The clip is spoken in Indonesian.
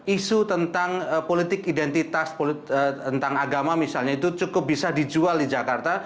isu tentang politik identitas tentang agama misalnya itu cukup bisa dijual di jakarta